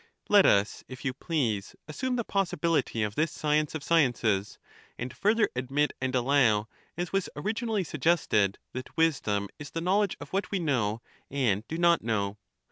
Let us, if you please, assume the possibility of this science of sciences, and further admit and allow, as was origi nally suggested, that wisdom is the knowledge of what we know and do not know.